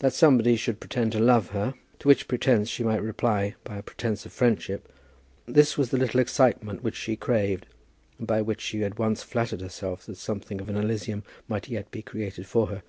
That somebody should pretend to love her, to which pretence she might reply by a pretence of friendship, this was the little excitement which she craved, and by which she had once flattered herself that something of an elysium might yet be created for her.